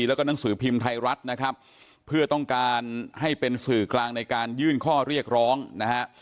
แล้วก็หนังสือพิมพ์ไทยรัฐนะครับเพื่อต้องการให้เป็นสื่อกลางในการยื่นข้อเรียกร้องนะฮะ